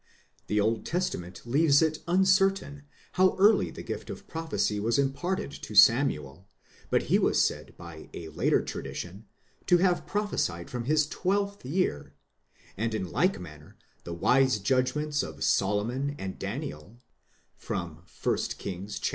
5 The Old Testa ment leaves it uncertain how early the gift of prophecy was imparted to Samuel, but he was said by a later tradition to have prophesied from his twelfth year ; 6 and in like manner the wise judgments of Solomon and Daniel 41 Kings iii.